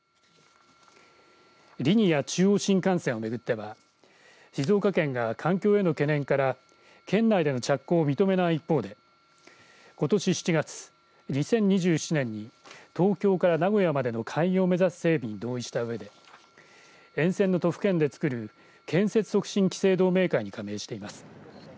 リニア中央新幹線を巡っては静岡県が環境への懸念から県内での着工を認めない一方でことし７月、２０２７年に東京から名古屋までの開業を目指す整備に同意したうえで沿線の都府県で作る建設促進期成同盟会に加盟しています。